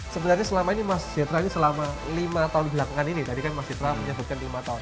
sebenarnya selama ini mas citra ini selama lima tahun belakangan ini tadi kan mas citra menyebutkan lima tahun